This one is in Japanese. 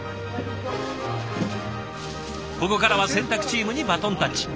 ここからは洗濯チームにバトンタッチ。